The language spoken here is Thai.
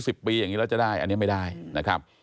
สิบปีอย่างนี้แล้วจะได้อันนี้ไม่ได้นะครับ